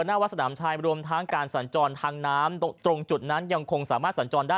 หน้าวัดสนามชายรวมทั้งการสัญจรทางน้ำตรงจุดนั้นยังคงสามารถสัญจรได้